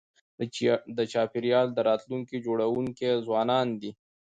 د چاپېریال د راتلونکي جوړونکي ځوانان دي.